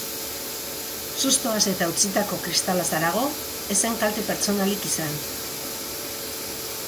Sustoaz eta hautsitako kristalaz harago, ez zen kalte pertsonalik izan.